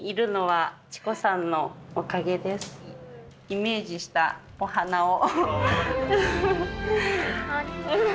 イメージしたお花を。